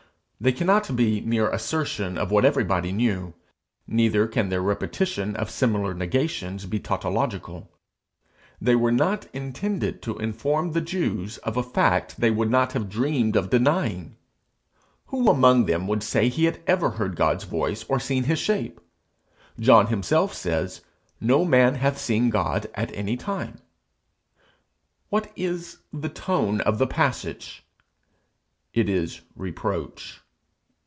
They cannot be mere assertion of what everybody knew; neither can their repetition of similar negations be tautological. They were not intended to inform the Jews of a fact they would not have dreamed of denying. Who among them would say he had ever heard God's voice, or seen his shape? John himself says 'No man hath seen God at any time.' What is the tone of the passage? It is reproach.